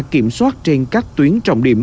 kiểm soát trên các tuyến trọng điểm